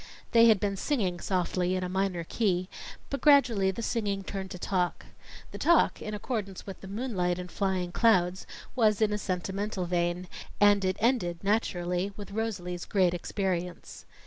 They had been singing softly in a minor key, but gradually the singing turned to talk. The talk, in accordance with the moonlight and flying clouds, was in a sentimental vein; and it ended, naturally, with Rosalie's Great Experience.